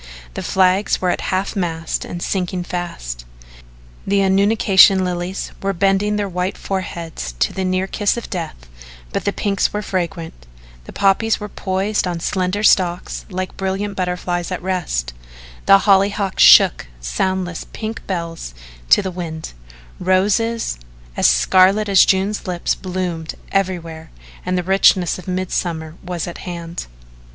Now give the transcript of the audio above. The flags were at half mast and sinking fast. The annunciation lilies were bending their white foreheads to the near kiss of death, but the pinks were fragrant, the poppies were poised on slender stalks like brilliant butterflies at rest, the hollyhocks shook soundless pink bells to the wind, roses as scarlet as June's lips bloomed everywhere and the richness of mid summer was at hand.